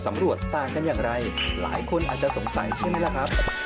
ตำรวจต่างกันอย่างไรหลายคนอาจจะสงสัยใช่ไหมล่ะครับ